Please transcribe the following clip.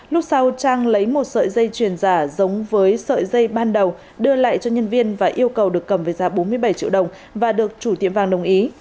lúc sau trang lấy một sợi dây chuyền giả giống với sợi dây ban đầu đưa lại cho nhân viên và yêu cầu được cầm với giá bốn mươi bảy triệu đồng và được chủ tiệm vàng đồng ý